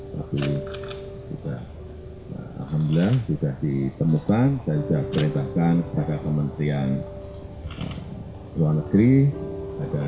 tapi alhamdulillah sudah ditemukan dan sudah direbakkan pada kementerian luar negeri